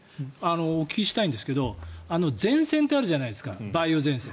お聞きしたいんですけど前線ってあるじゃないですか梅雨前線。